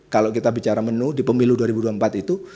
kalau kita bicara menu di pemilu dua ribu dua puluh empat itu